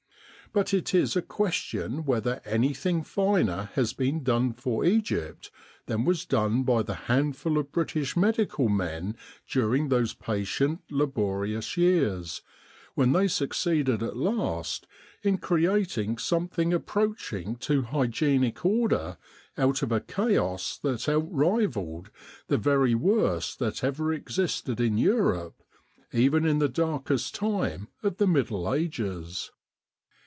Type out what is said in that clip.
But it is a question whether anything finer has been done for Egypt than was done by the handful of British medical men during those patient, laborious years, when they succeeded at last in creat ing something approaching to hygienic order out of a chaos that outrivalled the very worst that ever existed in Europe, even in the darkest time of the Middle Ages.